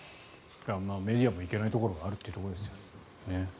メディアもいけないところがあるということですよね。